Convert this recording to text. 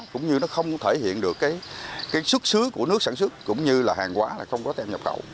cũng như nó không thể hiện được cái xuất xứ của nước sản xuất cũng như là hàng hóa là không có tem nhập khẩu